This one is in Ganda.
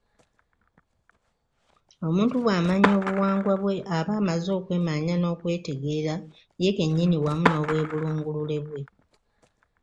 Omuntu bw’amanya obuwangwa bwe aba amaze okwemanya n’okwetegeera ye kennyini wamu n’Obwebulungulule bwe.